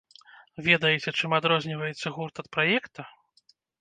Ведаеце, чым адрозніваецца гурт ад праекта?